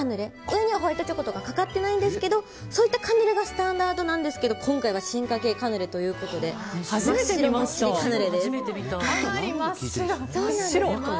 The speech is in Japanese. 上にはホワイトチョコとかはかかってないんですけどそういったカヌレがスタンダードなんですけど今回は進化系カヌレということで初めて見ました。